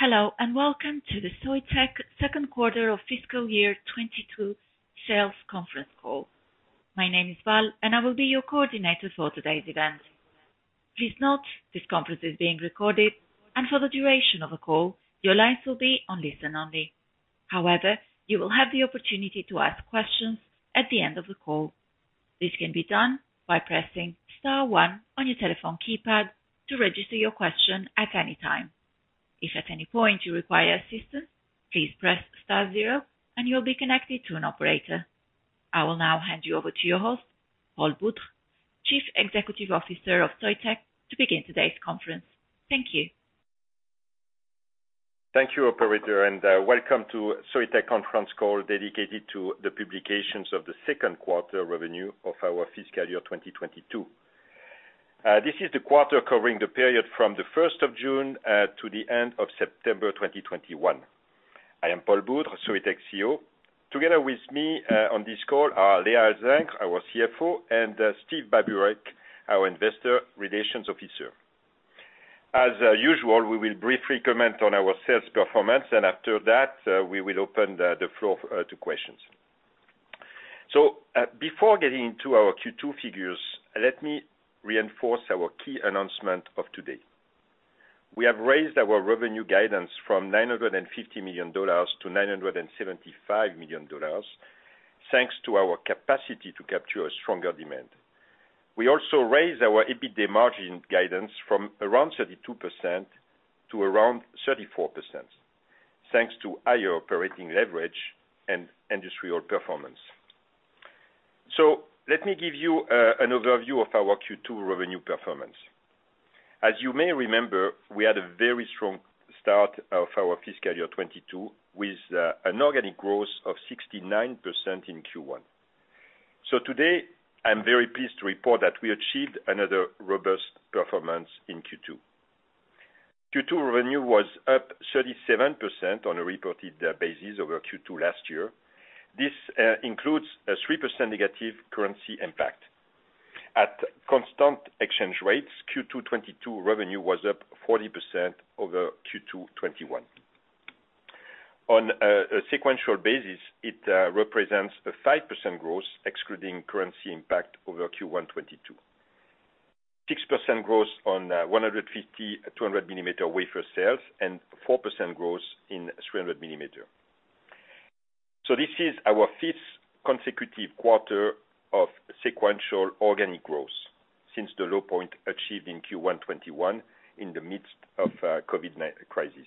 Hello, and welcome to the Soitec second quarter of fiscal year 2022 sales conference call. My name is Val, and I will be your coordinator for today's event. Please note, this conference is being recorded, and for the duration of the call, your lines will be on listen only. However, you will have the opportunity to ask questions at the end of the call. This can be done by pressing star one on your telephone keypad to register your question at any time. If at any point you require assistance, please press star zero and you'll be connected to an operator. I will now hand you over to your host, Paul Boudre, Chief Executive Officer of Soitec, to begin today's conference. Thank you. Thank you, operator, and welcome to Soitec conference call dedicated to the publications of the second quarter revenue of our fiscal year 2022. This is the quarter covering the period from the 1st of June to the end of September 2021. I am Paul Boudre, Soitec CEO. Together with me on this call are Léa Alzingre, our CFO, and Steve Babureck, our Investor Relations Officer. As usual, we will briefly comment on our sales performance, and after that, we will open the floor to questions. Before getting into our Q2 figures, let me reinforce our key announcement of today. We have raised our revenue guidance from $950 million-$975 million, thanks to our capacity to capture a stronger demand. We also raised our EBITDA margin guidance from around 32% to around 34%, thanks to higher operating leverage and industrial performance. Let me give you an overview of our Q2 revenue performance. As you may remember, we had a very strong start of our fiscal year 2022 with an organic growth of 69% in Q1. Today, I am very pleased to report that we achieved another robust performance in Q2. Q2 revenue was up 37% on a reported basis over Q2 last year. This includes a 3% negative currency impact. At constant exchange rates, Q2 2022 revenue was up 40% over Q2 2021. On a sequential basis, it represents a 5% growth, excluding currency impact over Q1 2022. 6% growth on 150, 200 millimeter wafer sales, and 4% growth in 300 millimeter. This is our fifth consecutive quarter of sequential organic growth since the low point achieved in Q1 2021 in the midst of COVID crisis.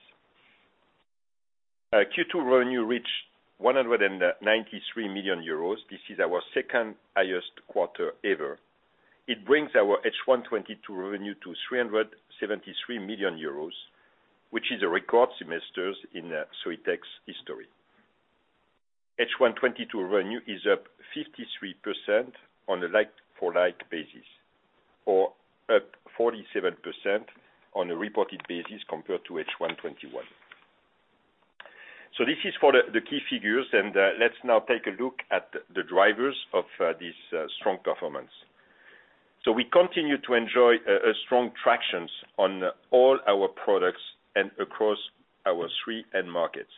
Q2 revenue reached 193 million euros. This is our second highest quarter ever. It brings our H1 2022 revenue to 373 million euros, which is the record semesters in Soitec's history. H1 2022 revenue is up 53% on a like-for-like basis or up 47% on a reported basis compared to H1 2021. This is for the key figures, and let's now take a look at the drivers of this strong performance. We continue to enjoy strong tractions on all our products and across our three end markets.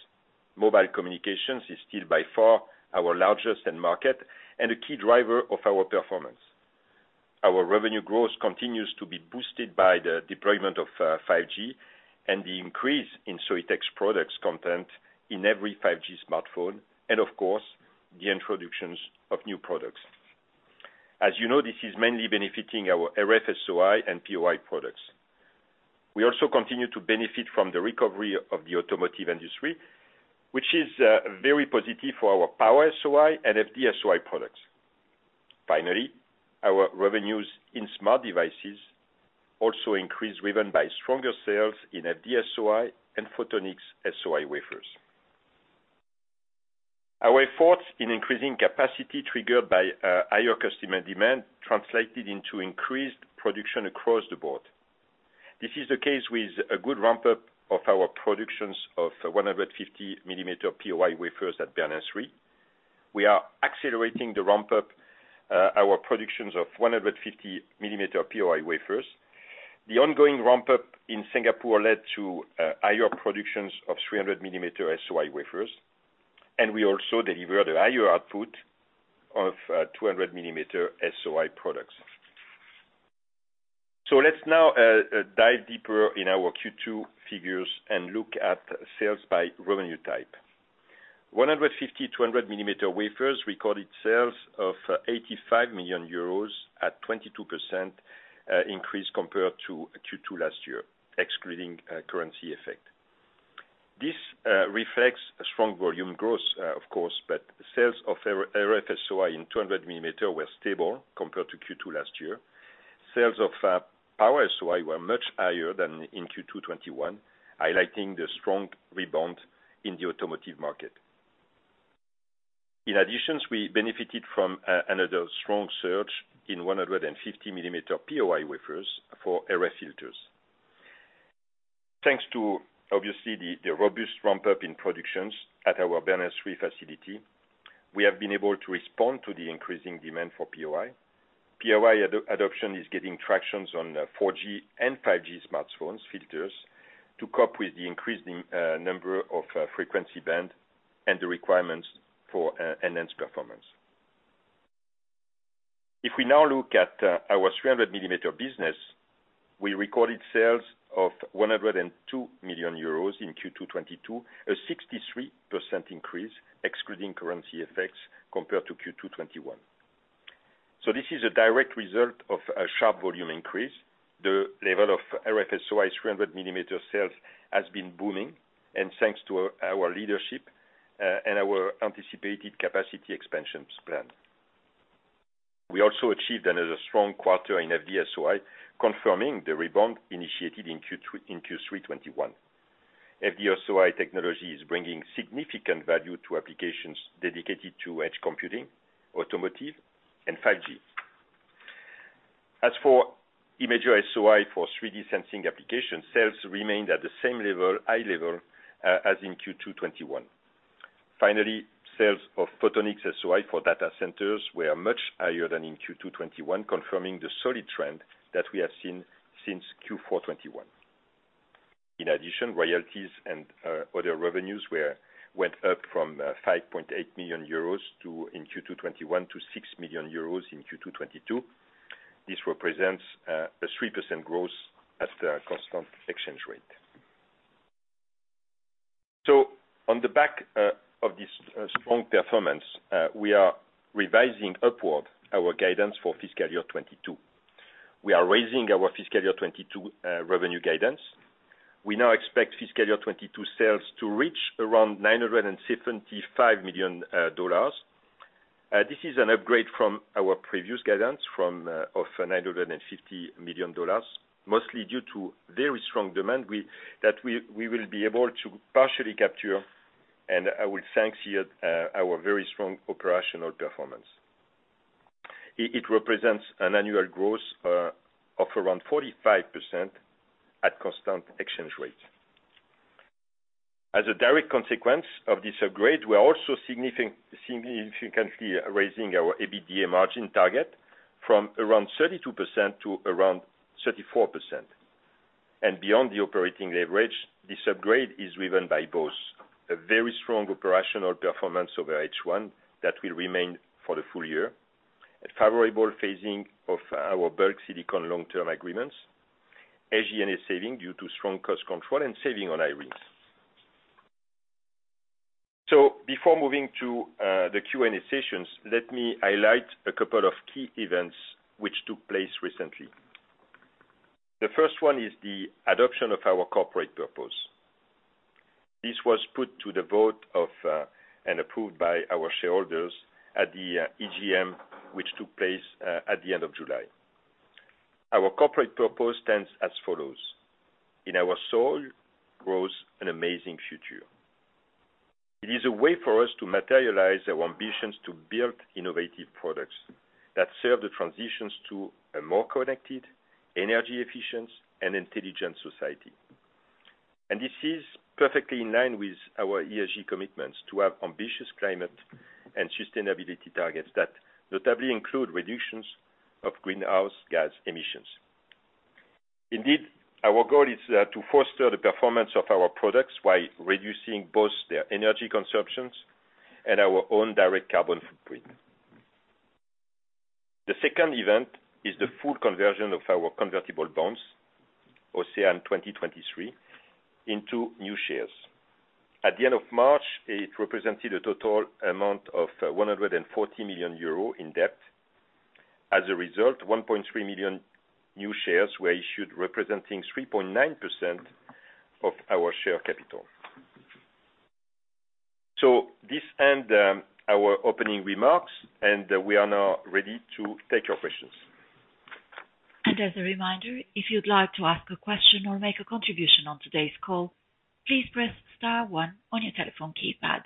Mobile communications is still by far our largest end market and a key driver of our performance. Our revenue growth continues to be boosted by the deployment of 5G and the increase in Soitec's products content in every 5G smartphone, and of course, the introductions of new products. As you know, this is mainly benefiting our RF-SOI and POI products. We also continue to benefit from the recovery of the automotive industry, which is very positive for our Power-SOI and FD-SOI products. Our revenues in smart devices also increased, driven by stronger sales in FD-SOI and Photonics-SOI wafers. Our efforts in increasing capacity triggered by higher customer demand translated into increased production across the board. This is the case with a good ramp-up of our productions of 150-millimeter POI wafers at Bernin 3. We are accelerating the ramp-up our productions of 150-millimeter POI wafers. The ongoing ramp-up in Singapore led to higher productions of 300-millimeter SOI wafers, and we also delivered a higher output of 200-millimeter SOI products. Let's now dive deeper in our Q2 figures and look at sales by revenue type. 150, 200 millimeter wafers recorded sales of 85 million euros at 22% increase compared to Q2 last year, excluding currency effect. This reflects a strong volume growth, of course. Sales of RF SOI in 200 millimeter were stable compared to Q2 last year. Sales of Power-SOI were much higher than in Q2 2021, highlighting the strong rebound in the automotive market. In addition, we benefited from another strong surge in 150 millimeter POI wafers for RF filters. Thanks to, obviously, the robust ramp-up in productions at our Bernin 3 facility. We have been able to respond to the increasing demand for POI. POI adoption is getting traction on 4G and 5G smartphones filters to cope with the increasing number of frequency band and the requirements for enhanced performance. If we now look at our 300 millimeter business, we recorded sales of 102 million euros in Q2 2022, a 63% increase, excluding currency effects, compared to Q2 2021. This is a direct result of a sharp volume increase. The level of RF-SOI 300 millimeter sales has been booming, and thanks to our leadership, and our anticipated capacity expansions plan. We also achieved another strong quarter in FD-SOI, confirming the rebound initiated in Q3 2021. FD-SOI technology is bringing significant value to applications dedicated to edge computing, automotive, and 5G. As for Imager-SOI for 3D sensing applications, sales remained at the same high level as in Q2 2021. Finally, sales of Photonics-SOI for data centers were much higher than in Q2 2021, confirming the solid trend that we have seen since Q4 2021. In addition, royalties and other revenues went up from 5.8 million euros in Q2 2021 to 6 million euros in Q2 2022. This represents a 3% growth at the constant exchange rate. On the back of this strong performance, we are revising upward our guidance for fiscal year 2022. We are raising our fiscal year 2022 revenue guidance. We now expect fiscal year 2022 sales to reach around $975 million. This is an upgrade from our previous guidance of $950 million, mostly due to very strong demand that we will be able to partially capture, and I will thank here our very strong operational performance. It represents an annual growth of around 45% at constant exchange rate. As a direct consequence of this upgrade, we are also significantly raising our EBITDA margin target from around 32% to around 34%. Beyond the operating leverage, this upgrade is driven by both a very strong operational performance over H1 that will remain for the full year, a favorable phasing of our bulk silicon long-term agreements, SG&A saving due to strong cost control, and saving on Irines. Before moving to the Q&A sessions, let me highlight a couple of key events which took place recently. The first one is the adoption of our corporate purpose. This was put to the vote of and approved by our shareholders at the EGM, which took place at the end of July. Our corporate purpose stands as follows: "In our soil grows an amazing future." It is a way for us to materialize our ambitions to build innovative products that serve the transitions to a more connected, energy efficient, and intelligent society. This is perfectly in line with our ESG commitments to have ambitious climate and sustainability targets that notably include reductions of greenhouse gas emissions. Indeed, our goal is to foster the performance of our products while reducing both their energy consumptions and our own direct carbon footprint. The second event is the full conversion of our convertible bonds, OCEANE 2023, into new shares. At the end of March, it represented a total amount of 140 million euro in debt. As a result, 1.3 million new shares were issued, representing 3.9% of our share capital. This end our opening remarks, and we are now ready to take your questions. As a reminder, if you'd like to ask a question or make a contribution on today's call, please press star 1 on your telephone keypad.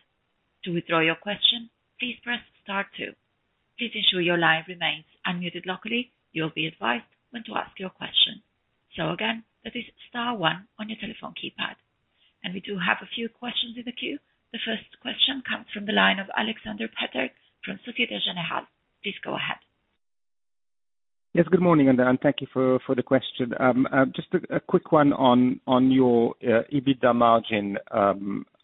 To withdraw your question, please press star two. Please ensure your line remains unmuted locally. You'll be advised when to ask your question. Again, that is star one on your telephone keypad. We do have a few questions in the queue. The first question comes from the line of Alexander Peterc from Societe Generale. Please go ahead. Yes, good morning, everyone. Thank you for the question. Just a quick one on your EBITDA margin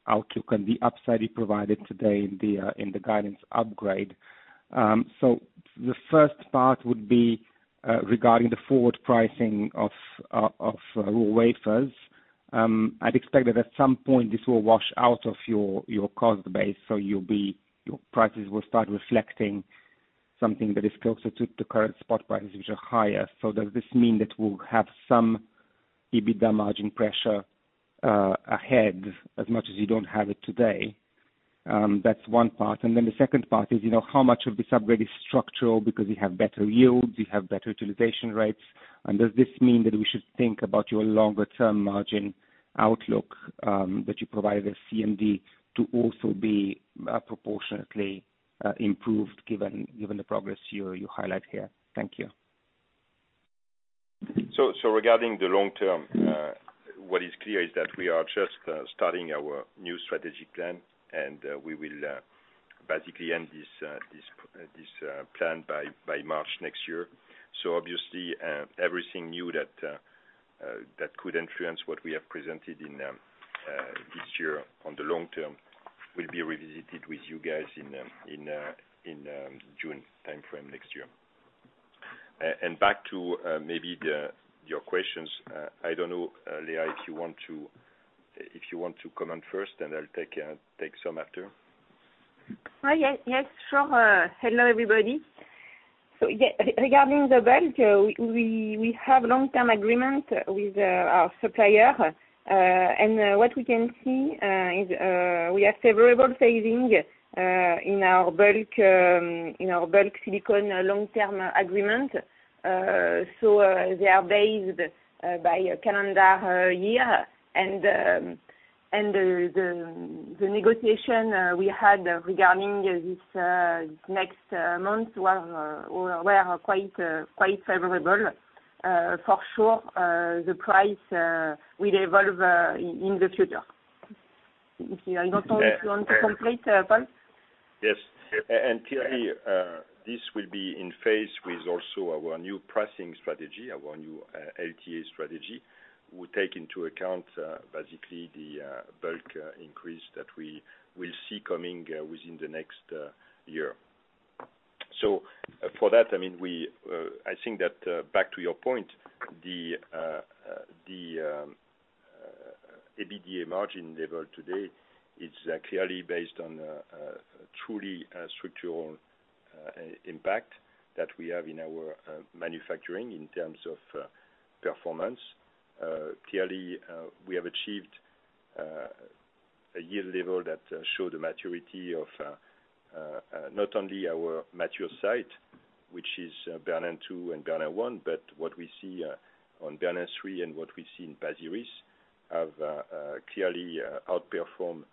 outlook and the upside you provided today in the guidance upgrade. The first part would be regarding the forward pricing of wafers. I'd expect that at some point this will wash out of your cost base, so your prices will start reflecting something that is closer to the current spot prices, which are higher. Does this mean that we'll have some EBITDA margin pressure ahead as much as you don't have it today? That's one part. The second part is how much of this upgrade is structural because you have better yields, you have better utilization rates. Does this mean that we should think about your longer-term margin outlook that you provided at CMD to also be proportionately improved given the progress you highlight here? Thank you. Regarding the long term, what is clear is that we are just starting our new strategic plan, and we will basically end this plan by March next year. Obviously, everything new that could influence what we have presented this year on the long term will be revisited with you guys in June timeframe next year. Back to maybe your questions. I don't know, Léa, if you want to comment first, and I'll take some after. Yes, sure. Hello, everybody. Regarding the bulk, we have long-term agreement with our supplier. What we can see is we have favorable saving in our bulk silicon long-term agreement. They are based by a calendar year. The negotiation we had regarding this next month were quite favorable. For sure, the price will evolve in the future. I don't know if you want to complete, Paul. Yes. Clearly, this will be in phase with also our new pricing strategy, our new LTA strategy. We take into account basically the bulk increase that we will see coming within the next year. For that, I think that back to your point, the EBITDA margin level today is clearly based on truly structural impact that we have in our manufacturing in terms of performance. Clearly, we have achieved a yield level that show the maturity of not only our mature site, which is Bernin 2 and Bernin 1, but what we see on Bernin 3 and what we see in Pasir Ris have clearly outperformed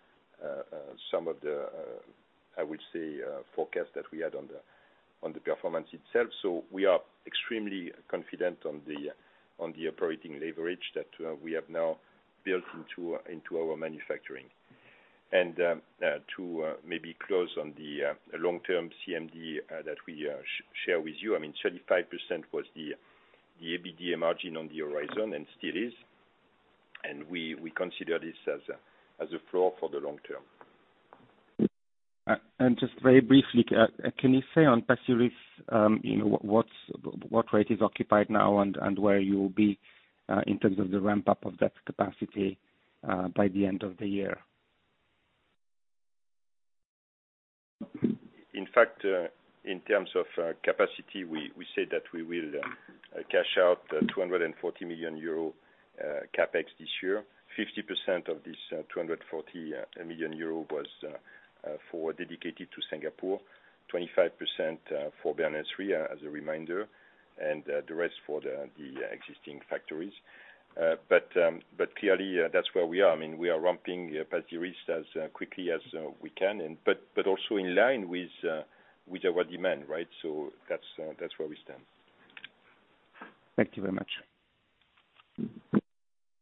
some of the, I would say, forecast that we had on the performance itself. We are extremely confident on the operating leverage that we have now built into our manufacturing. To maybe close on the long-term CMD that we share with you, 35% was the EBITDA margin on the horizon and still is. We consider this as a floor for the long term. Just very briefly, can you say on Pasir Ris, what rate is occupied now and where you will be in terms of the ramp-up of that capacity by the end of the year? In fact, in terms of capacity, we say that we will cash out 240 million euro CapEx this year. 50% of this 240 million euro was dedicated to Singapore, 25% for Bernin 3, as a reminder, and the rest for the existing factories. Clearly, that's where we are. We are ramping Pasir Ris as quickly as we can, but also in line with our demand. That's where we stand. Thank you very much.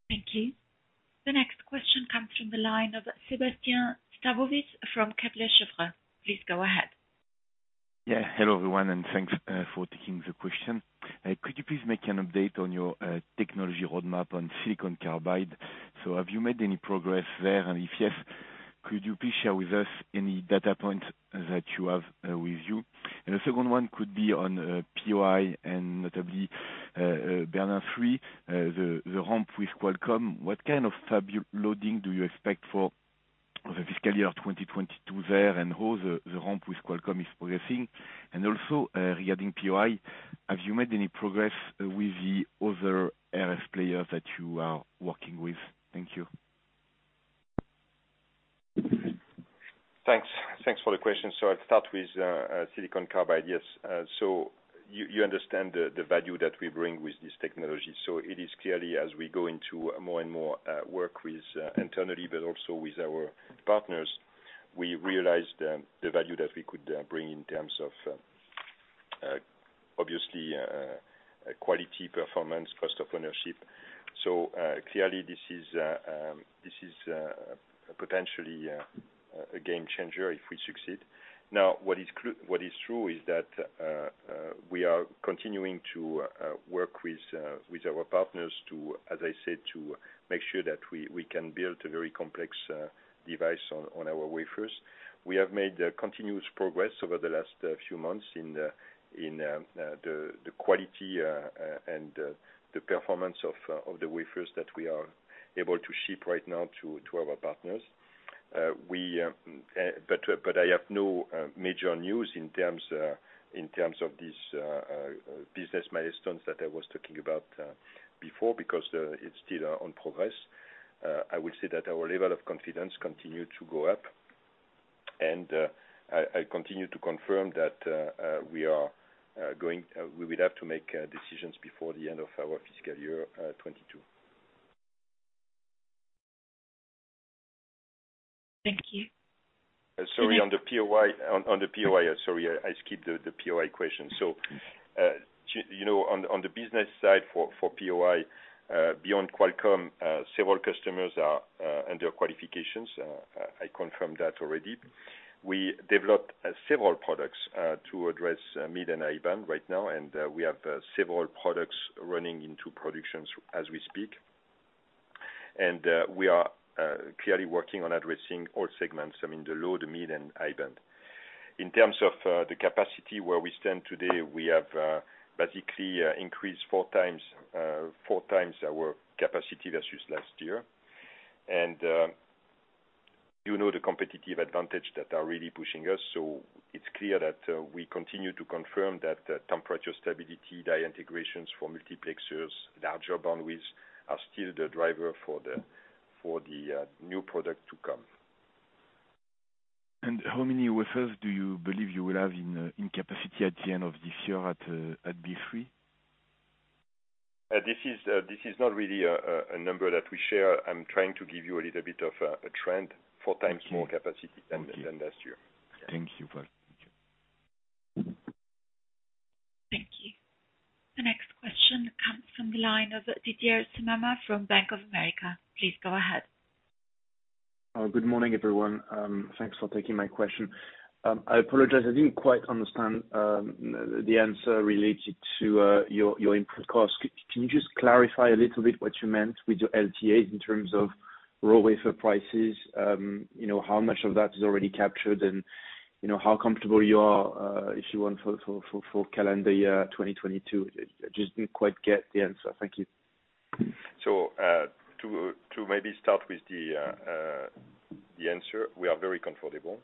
Thank you. The next question comes from the line of Sébastien Sztabowicz from Kepler Cheuvreux. Please go ahead. Yeah. Hello, everyone, and thanks for taking the question. Could you please make an update on your technology roadmap on silicon carbide? Have you made any progress there? If yes, could you please share with us any data points that you have with you? The second one could be on POI and notably Bernin 3, the ramp with Qualcomm. What kind of fab loading do you expect for the fiscal year 2022 there, and how the ramp with Qualcomm is progressing? Also, regarding POI, have you made any progress with the other RF players that you are working with? Thank you. Thanks for the question. I'll start with silicon carbide. Yes. You understand the value that we bring with this technology. It is clearly as we go into more and more work with internally, but also with our partners, we realized the value that we could bring in terms of, obviously, quality, performance, cost of ownership. Clearly, this is potentially a game changer if we succeed. Now, what is true is that we are continuing to work with our partners, as I said, to make sure that we can build a very complex device on our wafers. We have made continuous progress over the last few months in the quality and the performance of the wafers that we are able to ship right now to our partners. I have no major news in terms of these business milestones that I was talking about before, because it's still on progress. I would say that our level of confidence continued to go up, and I continue to confirm that we will have to make decisions before the end of our fiscal year 2022. Thank you. Sorry, on the POI, I skipped the POI question. On the business side for POI, beyond Qualcomm, several customers are under qualifications. I confirmed that already. We developed several products to address mid and high-band right now, and we have several products running into production as we speak. We are clearly working on addressing all segments. I mean, the low, the mid, and high-band. In terms of the capacity where we stand today, we have basically increased 4x our capacity versus last year. You know the competitive advantage that are really pushing us. It's clear that we continue to confirm that temperature stability die integrations for multiplexers, larger bandwidths are still the driver for the new product to come. How many wafers do you believe you will have in capacity at the end of this year at B3? This is not really a number that we share. I'm trying to give you a little bit of a trend, 4x more capacity than last year. Thank you gentleman. Thank you. The next question comes from the line of Didier Scemama from Bank of America. Please go ahead. Good morning, everyone. Thanks for taking my question. I apologize, I didn't quite understand the answer related to your input cost. Can you just clarify a little bit what you meant with your LTAs in terms of raw wafer prices? How much of that is already captured and how comfortable you are, if you want, for calendar year 2022? I just didn't quite get the answer. Thank you. To maybe start with the answer, we are very comfortable.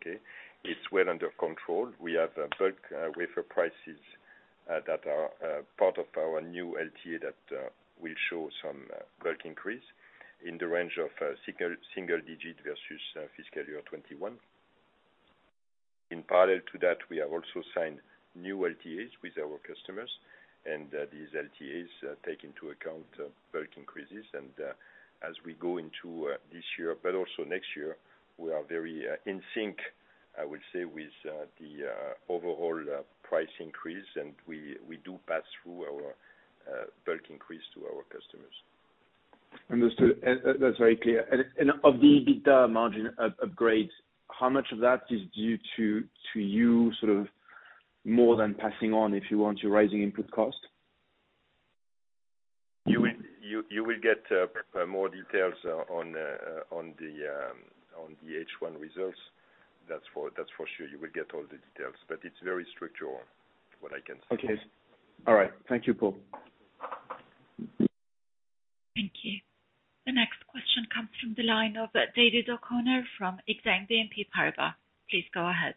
Okay. It is well under control. We have bulk wafer prices that are part of our new LTA that will show some bulk increase in the range of single digit versus fiscal year 2021. In parallel to that, we have also signed new LTAs with our customers, and these LTAs take into account bulk increases. As we go into this year, but also next year, we are very in sync, I would say, with the overall price increase, and we do pass through our bulk increase to our customers. Understood. That's very clear. Of the EBITDA margin upgrades, how much of that is due to you sort of more than passing on, if you want, your rising input cost? You will get more details on the H1 results. That's for sure. You will get all the details. It's very structural, what I can say. Okay. All right. Thank you, Paul. Thank you. The next question comes from the line of David O'Connor from Exane BNP Paribas. Please go ahead.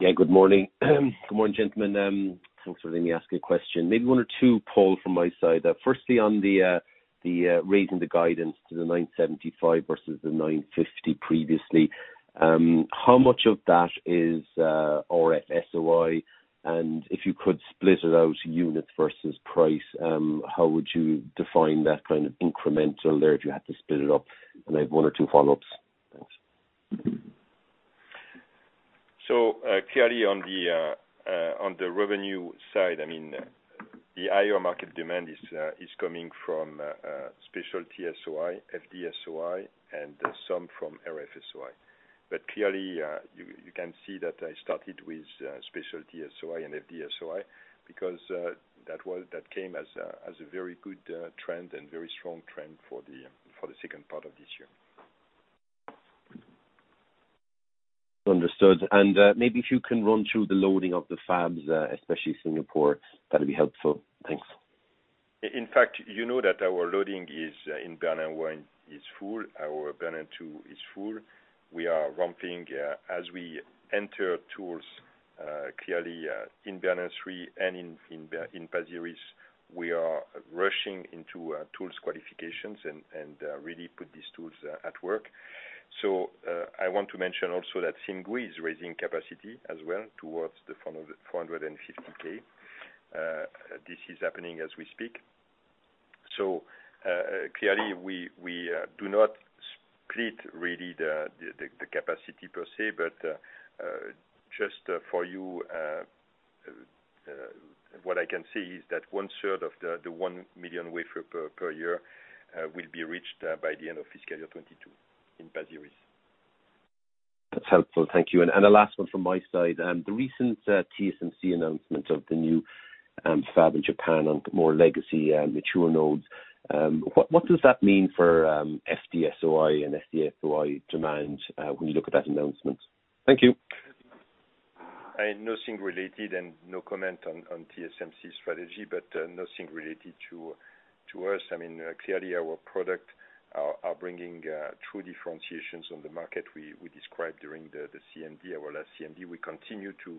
Yeah, good morning. Good morning, gentlemen. Thanks for letting me ask a question, maybe one or two, Paul, from my side. Firstly, on the raising the guidance to the $975 million versus the $950 million previously. How much of that is RF-SOI? If you could split it out, units versus price, how would you define that kind of incremental there if you had to split it up? I have one or two follow-ups. Thanks. Clearly on the revenue side, the higher market demand is coming from specialty SOI, FD-SOI, and some from RF-SOI. Clearly, you can see that I started with specialty SOI and FD-SOI because that came as a very good trend and very strong trend for the second part of this year. Understood. Maybe if you can run through the loading of the fabs, especially Singapore, that'd be helpful. Thanks. In fact, you know that our loading is in Bernin 1 is full. Our Bernin 2 is full. We are ramping. As we enter tools, clearly, in Bernin 3 and in Pasir Ris, we are rushing into tools qualifications and really put these tools at work. I want to mention also that Singapore is raising capacity as well towards the 450,000. This is happening as we speak. Clearly, we do not split really the capacity per se, but just for you, what I can say is that one-third of the 1 million wafer per year will be reached by the end of fiscal year 2022 in Pasir Ris. That's helpful. Thank you. A last one from my side. The recent TSMC announcement of the new fab in Japan on more legacy mature nodes. What does that mean for FD-SOI and RF-SOI demand when you look at that announcement? Thank you. Nothing related and no comment on TSMC strategy, but nothing related to us. Clearly, our product are bringing true differentiations on the market. We described during the CMD, our last CMD. We continue to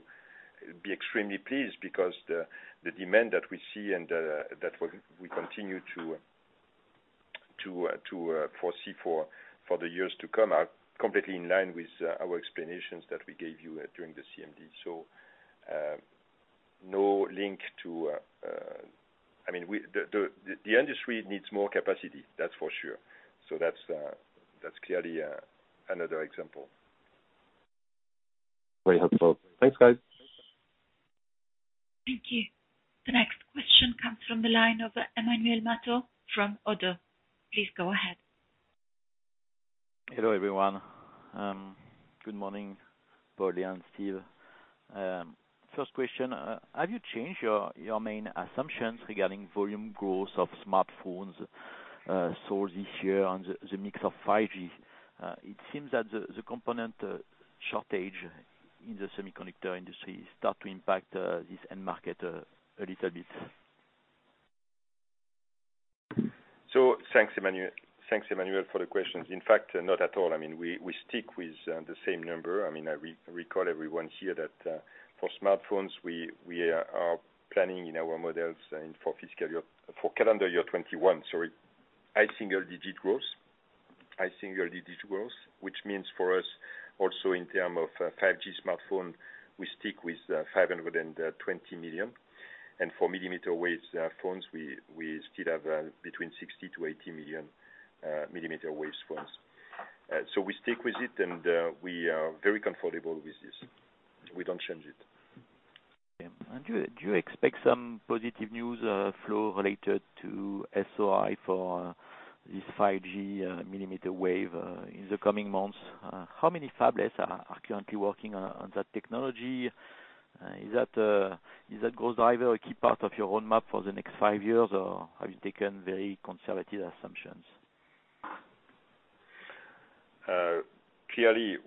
be extremely pleased because the demand that we see and that we continue to foresee for the years to come are completely in line with our explanations that we gave you during the CMD. No link. The industry needs more capacity, that's for sure. That's clearly another example. Very helpful. Thanks, guys. Thank you. The next question comes from the line of Emmanuel Matot from Oddo. Please go ahead. Hello, everyone. Good morning, Paul and Steve. First question, have you changed your main assumptions regarding volume growth of smartphones sold this year on the mix of 5G? It seems that the component shortage in the semiconductor industry start to impact this end market a little bit. Thanks, Emmanuel, for the questions. In fact, not at all. We stick with the same number. I recall everyone here that for smartphones, we are planning in our models and for calendar year 2021, sorry, high single-digit growth. Which means for us also in term of 5G smartphone, we stick with 520 million. For millimeter wave phones, we still have between 60 million-80 million millimeter wave phones. We stick with it, and we are very comfortable with this. We don't change it. Okay. Do you expect some positive news flow related to SOI for this 5G millimeter wave in the coming months? How many fabless are currently working on that technology? Is that growth driver a key part of your roadmap for the next five years, or have you taken very conservative assumptions? Clearly,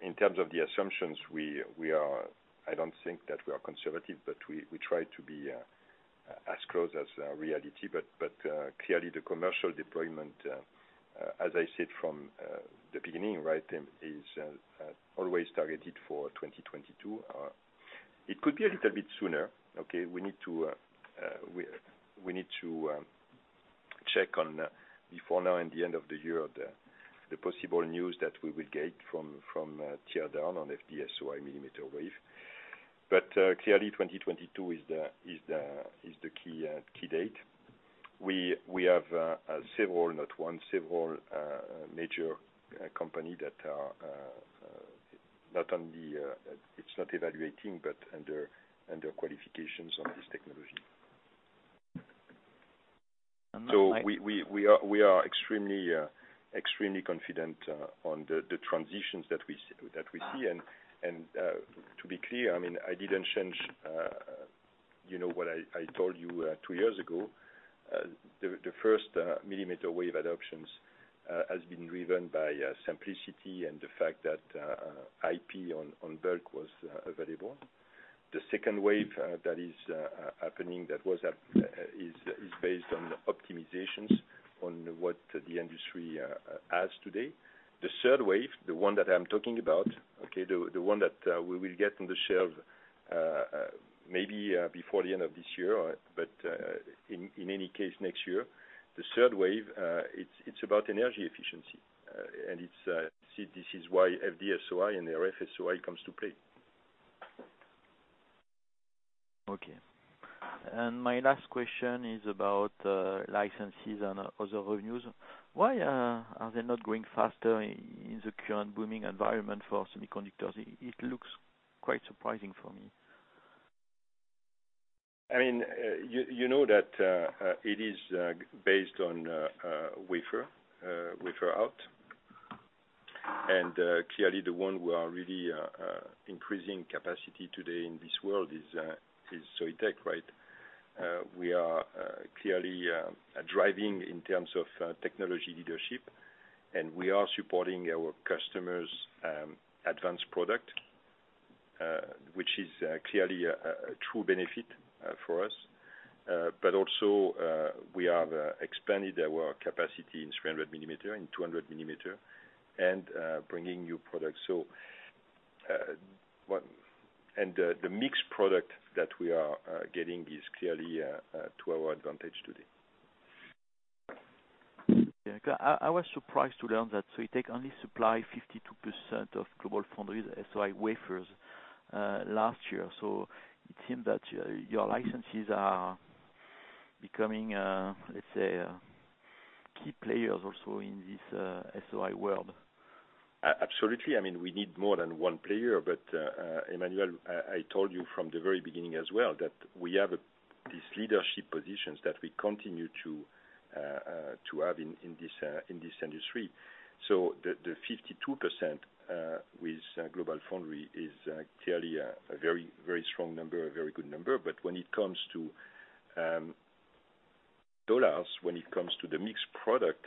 in terms of the assumptions, I don't think that we are conservative, but we try to be as close as reality. Clearly the commercial deployment, as I said from the beginning, is always targeted for 2022. It could be a little bit sooner. Okay. We need to check on before now and the end of the year, the possible news that we will get from tear down on FD-SOI millimeter wave. Clearly 2022 is the key date. We have not one, several major company that it's not evaluating, but under qualifications on this technology. We are extremely confident on the transitions that we see. To be clear, I didn't change what I told you two years ago. The first millimeter wave adoptions has been driven by simplicity and the fact that IP on bulk was available. The second wave that is happening, that was up, is based on optimizations on what the industry has today. The third wave, the one that I'm talking about, okay, the one that we will get on the shelf maybe before the end of this year, but in any case next year. The third wave, it's about energy efficiency, and this is why FD-SOI and RF-SOI comes to play. Okay. My last question is about licenses and other revenues. Why are they not growing faster in the current booming environment for semiconductors? It looks quite surprising for me. You know that it is based on wafer out, and clearly the one we are really increasing capacity today in this world is Soitec. We are clearly driving in terms of technology leadership, and we are supporting our customers' advanced product, which is clearly a true benefit for us. But also, we have expanded our capacity in 300 millimeter, in 200 millimeter and bringing new products. And the mix product that we are getting is clearly to our advantage today. Yeah. I was surprised to learn that Soitec only supply 52% of GlobalFoundries SOI wafers last year. It seems that your licenses are becoming, let's say, key players also in this SOI world. Absolutely. We need more than one player. Emmanuel, I told you from the very beginning as well, that we have these leadership positions that we continue to have in this industry. The 52% with GlobalFoundries is clearly a very strong number, a very good number. When it comes to dollars, when it comes to the mix product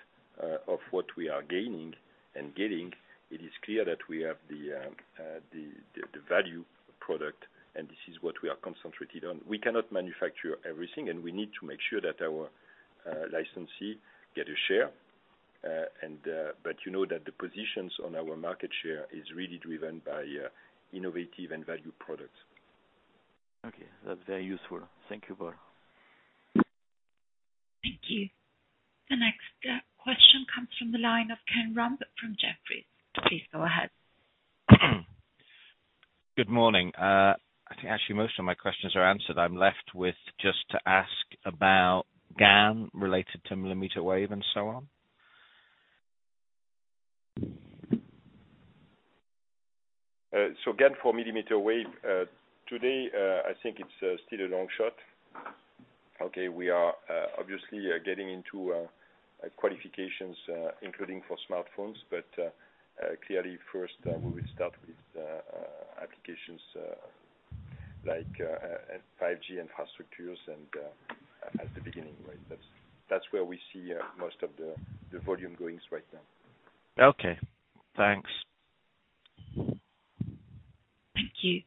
of what we are gaining and getting, it is clear that we have the value product, and this is what we are concentrated on. We cannot manufacture everything, and we need to make sure that our licensee get a share. You know that the positions on our market share is really driven by innovative and value products. Okay. That's very useful. Thank you, Paul. Thank you. The next question comes from the line of Ken Rumph from Jefferies. Please go ahead. Good morning. I think actually most of my questions are answered. I'm left with just to ask about GaN related to millimeter wave and so on. GaN for millimeter wave. Today, I think it's still a long shot. Okay. We are obviously getting into qualifications, including for smartphones. Clearly first, we will start with applications like 5G infrastructures and at the beginning. That's where we see most of the volume going right now. Okay. Thanks. Thank you.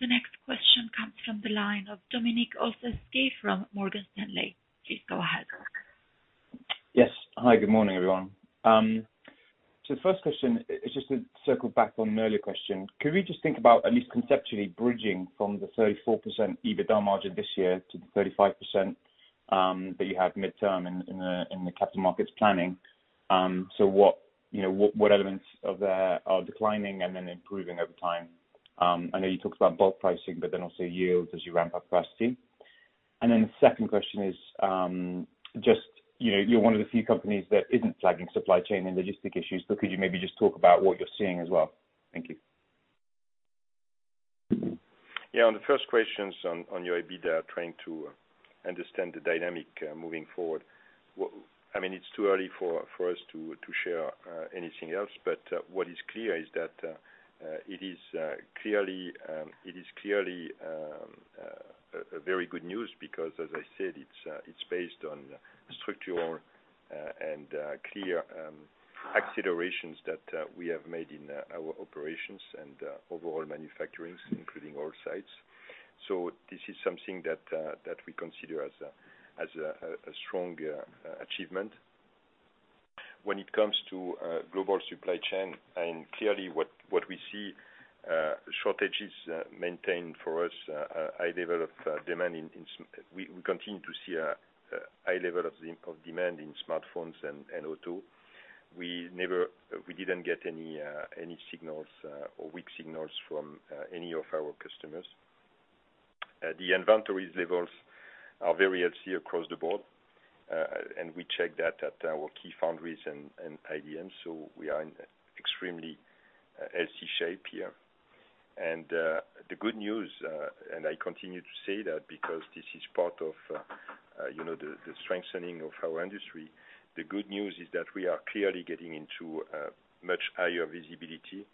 The next question comes from the line of Dominik Olszewski from Morgan Stanley. Please go ahead. Yes. Hi, good morning, everyone. The first question is just to circle back on an earlier question. Could we just think about, at least conceptually, bridging from the 34% EBITDA margin this year to the 35% that you have midterm in the capital markets planning? What elements of that are declining and then improving over time? I know you talked about bulk pricing, also yields as you ramp up capacity. The second question is, you're one of the few companies that isn't flagging supply chain and logistic issues, could you maybe just talk about what you're seeing as well? Thank you. On the first questions on your EBITDA, trying to understand the dynamic moving forward. It's too early for us to share anything else, what is clear is that it is clearly very good news because, as I said, it's based on structural and clear accelerations that we have made in our operations and overall manufacturing, including all sites. This is something that we consider as a strong achievement. When it comes to global supply chain clearly what we see, shortages maintain for us a high level of demand. We continue to see a high level of demand in smartphones and auto. We didn't get any signals or weak signals from any of our customers. The inventory levels are very healthy across the board, we check that at our key foundries and IDMs, we are in extremely healthy shape here. The good news, and I continue to say that because this is part of the strengthening of our industry. The good news is that we are clearly getting into much higher visibility.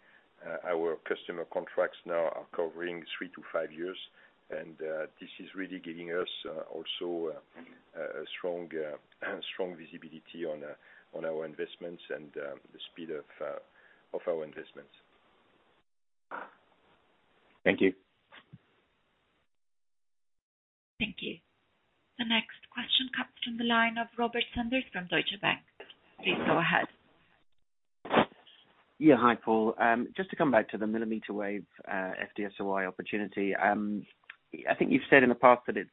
Our customer contracts now are covering 3-5 years. This is really giving us also a strong visibility on our investments and the speed of our investments. Thank you. Thank you. The next question comes from the line of Robert Sanders from Deutsche Bank. Please go ahead. Yeah. Hi, Paul. Just to come back to the millimeter wave FD-SOI opportunity. I think you've said in the past that it's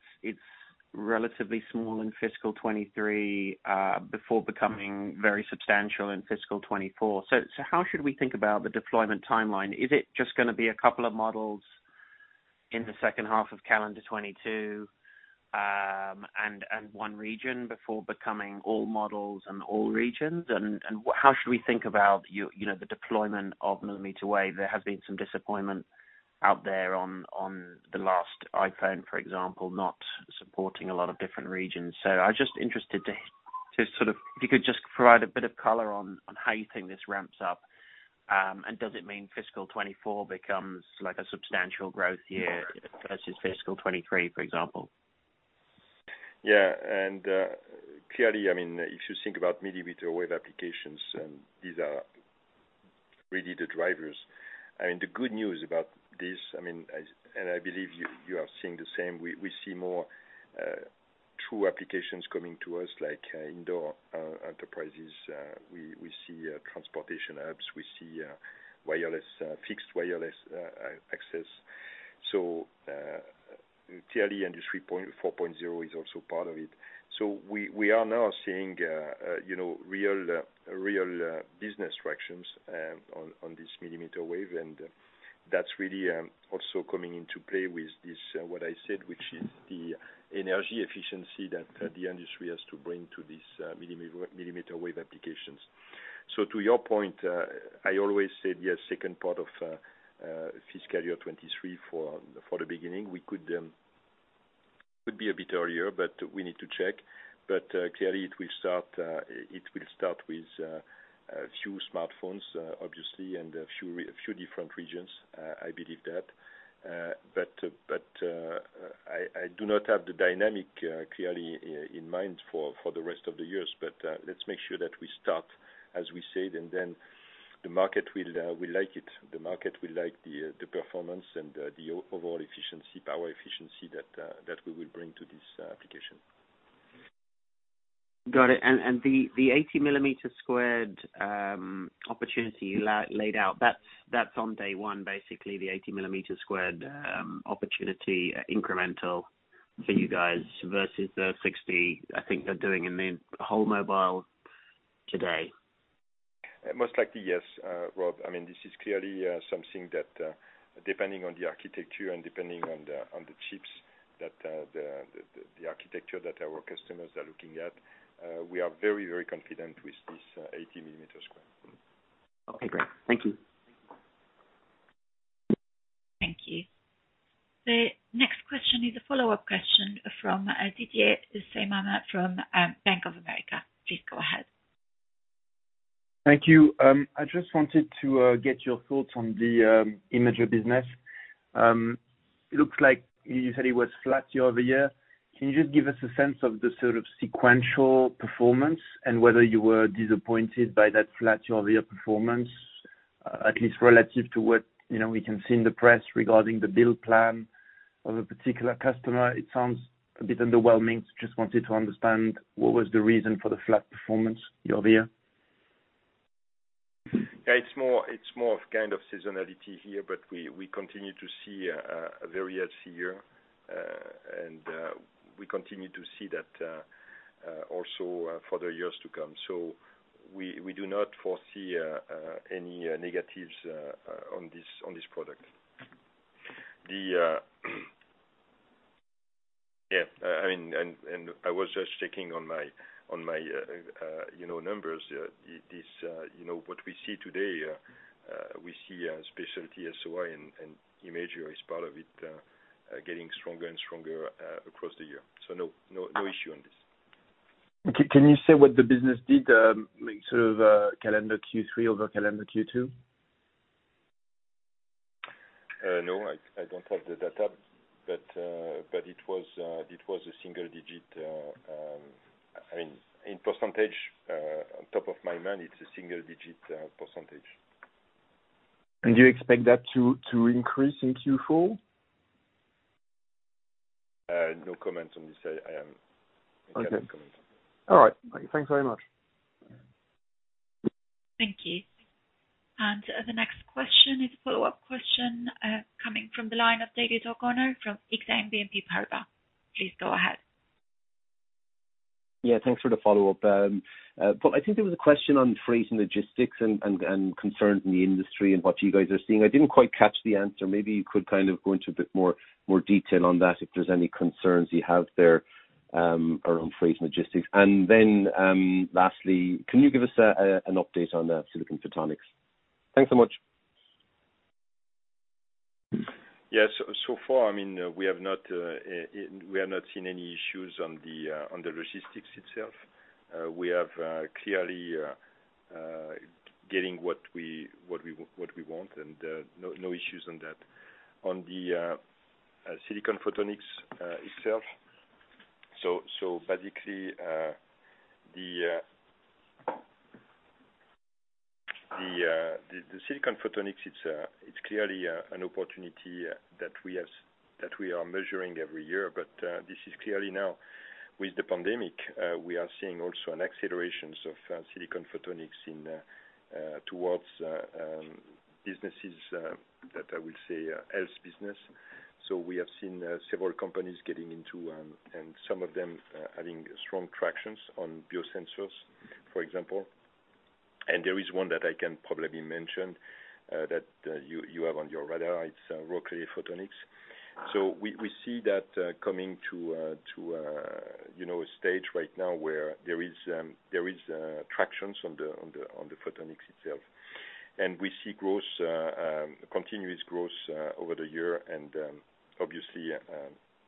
relatively small in fiscal 2023, before becoming very substantial in fiscal 2024. How should we think about the deployment timeline? Is it just going to be a couple of models in the second half of calendar 2022, and one region before becoming all models and all regions? How should we think about the deployment of millimeter wave? There has been some disappointment out there on the last iPhone, for example, not supporting a lot of different regions. I'm just interested to sort of, if you could just provide a bit of color on how you think this ramps up. Does it mean fiscal 2024 becomes a substantial growth year versus fiscal 2023, for example? Clearly, if you think about millimeter wave applications, these are really the drivers. The good news about this, and I believe you are seeing the same, we see more true applications coming to us, like indoor enterprises. We see transportation hubs. We see fixed wireless access. Clearly, Industry 4.0 is also part of it. We are now seeing real business tractions on this millimeter wave, and that's really also coming into play with what I said, which is the energy efficiency that the industry has to bring to these millimeter wave applications. To your point, I always said yes, second part of fiscal year 2023 for the beginning. Could be a bit earlier. We need to check. Clearly it will start with a few smartphones, obviously, and a few different regions. I believe that. I do not have the dynamic clearly in mind for the rest of the years. Let's make sure that we start, as we said, the market will like it. The market will like the performance and the overall power efficiency that we will bring to this application. Got it. The 80 millimeter squared opportunity you laid out, that's on day one, basically, the 80 millimeter squared opportunity incremental for you guys versus the 60, I think they're doing in the whole mobile today? Most likely, yes, Rob. This is clearly something that, depending on the architecture and depending on the chips, that the architecture that our customers are looking at, we are very, very confident with this 80 millimeter square. Okay, great. Thank you. Thank you. The next question is a follow-up question from Didier Scemama from Bank of America. Please go ahead. Thank you. I just wanted to get your thoughts on the imager business. It looks like you said it was flat year-over-year. Can you just give us a sense of the sort of sequential performance and whether you were disappointed by that flat year-over-year performance, at least relative to what we can see in the press regarding the bill plan of a particular customer? It sounds a bit underwhelming. Just wanted to understand what was the reason for the flat performance year-over-year. Yeah, it's more of kind of seasonality here. We continue to see a very healthy year. We continue to see that also for the years to come. We do not foresee any negatives on this product. I was just checking on my numbers. What we see today, we see specialty SOI and Imager as part of it, getting stronger and stronger across the year. No issue on this. Can you say what the business did, sort of calendar Q3 over calendar Q2? No, I don't have the data, but it was a single digit. In percentage, on top of my mind, it's a single-digit percentage. Do you expect that to increase in Q4? No comment on this. Okay. Not going to comment on that. All right. Thanks very much. Thank you. The next question is a follow-up question coming from the line of David O'Connor from Exane BNP Paribas. Please go ahead. Yeah, thanks for the follow-up. Paul, I think there was a question on freight and logistics and concerns in the industry and what you guys are seeing. I didn't quite catch the answer. Maybe you could kind of go into a bit more detail on that, if there's any concerns you have there around freight and logistics. Lastly, can you give us an update on silicon photonics? Thanks so much. Yes. So far, we have not seen any issues on the logistics itself. We have clearly getting what we want and no issues on that. On the silicon photonics itself. Basically, the silicon photonics, it's clearly an opportunity that we are measuring every year. This is clearly now with the pandemic, we are seeing also an acceleration of silicon photonics towards businesses that I will say health business. We have seen several companies getting into, and some of them having strong tractions on biosensors, for example. There is one that I can probably mention that you have on your radar. It's Rockley Photonics. We see that coming to a stage right now where there is tractions on the photonics itself. We see continuous growth over the year. Obviously,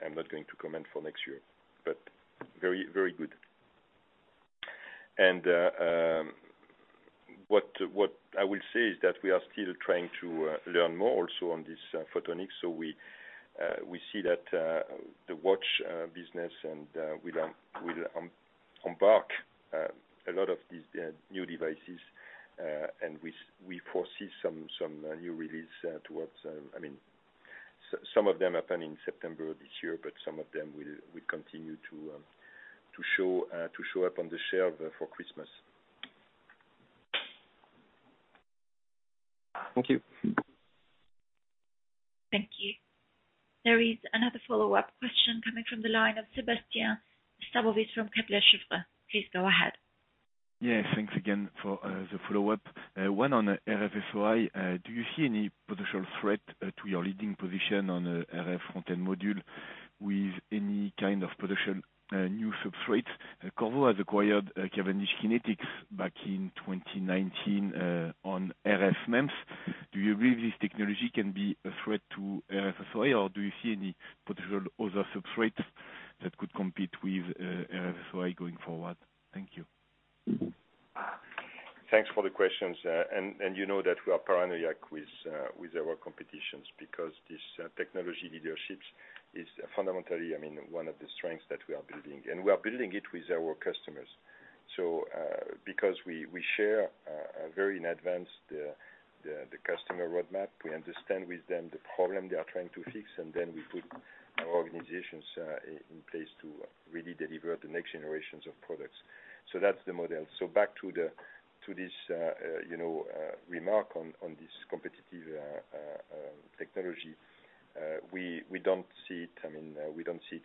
I'm not going to comment for next year, but very, very good. What I will say is that we are still trying to learn more also on this photonics. We see that the watch business and will embark a lot of these new devices, and we foresee some new release. Some of them happen in September this year, but some of them will continue to show up on the shelf for Christmas. Thank you. Thank you. There is another follow-up question coming from the line of Sébastien Sztabowicz from Kepler Cheuvreux. Please go ahead. Yes, thanks again for the follow-up. One on RF-SOI. Do you see any potential threat to your leading position on RF front-end module with any kind of potential new substrates? Qorvo has acquired Cavendish Kinetics back in 2019 on RF MEMS. Do you believe this technology can be a threat to RF-SOI, or do you see any potential other substrates that could compete with RF-SOI going forward? Thank you. Thanks for the questions. You know that we are paranoiac with our competitions because this technology leadership is fundamentally one of the strengths that we are building. We are building it with our customers. Because we share a very advanced customer roadmap. We understand with them the problem they are trying to fix, and then we put our organizations in place to really deliver the next generations of products. That's the model. Back to this remark on this competitive technology. We don't see it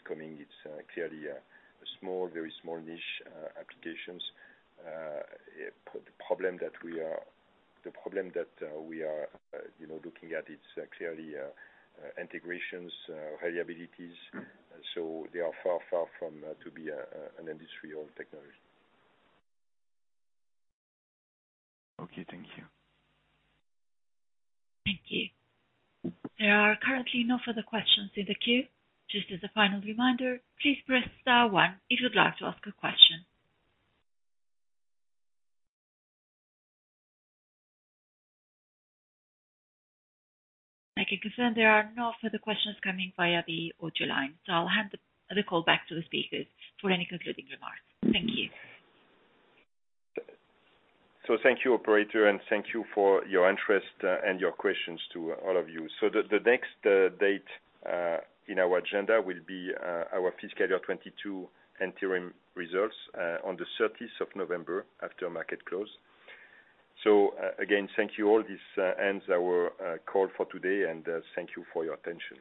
coming. It's clearly a very small niche applications. The problem that we are looking at, it's clearly integrations, reliabilities. They are far from to be an industry or technology. Okay, thank you. Thank you. There are currently no further questions in the queue. Just as a final reminder, please press star one if you'd like to ask a question. I can confirm there are no further questions coming via the audio line, so I'll hand the call back to the speakers for any concluding remarks. Thank you. Thank you, operator, and thank you for your interest and your questions to all of you. The next date in our agenda will be our fiscal year 2022 interim results on the 30th of November after market close. Again, thank you all. This ends our call for today, and thank you for your attention.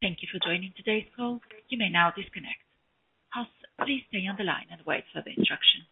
Thank you for joining today's call. You may now disconnect. Please stay on the line and wait for the instructions.